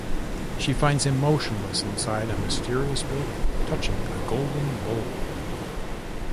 She finds him motionless inside a mysterious building, touching a golden bowl.